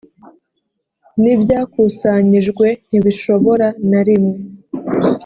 n ibyakusanyijwe ntibishobora na rimwe